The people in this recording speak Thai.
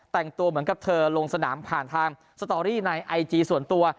แต่งตัวเหมือนกับเธอลงสนามผ่านทางสตอรี่ในไอจีส่วนตัว